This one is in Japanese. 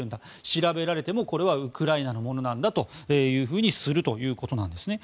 調べられても、これはウクライナのものなんだとするということですね。